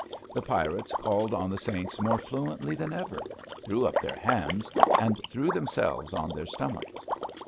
The pirates called on the saints more fluently than ever, threw up their hands, and threw themselves on their stomachs.